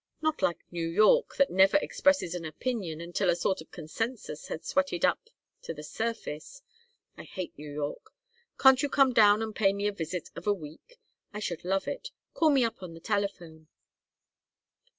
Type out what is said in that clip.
Not like New York, that never expresses an opinion until a sort of consensus has sweated up to the surface. I hate New York. Can't you come down and pay me a visit of a week? I should love it. Call me up on the telephone."